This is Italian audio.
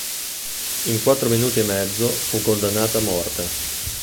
In quattro minuti e mezzo fu condannata a morte.